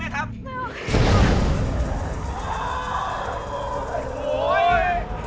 มันออกมาแล้ว